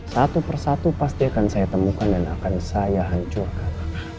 satu persatu pasti akan saya temukan dan akan saya hancurkan